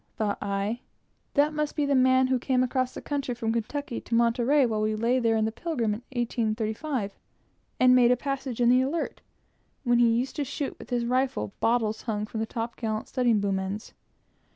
thought I, that must be the man who came across the country from Kentucky to Monterey while we lay there in the Pilgrim in 1835, and made a passage in the Alert, when he used to shoot with his rifle bottles hung from the top gallant studding sail boom ends.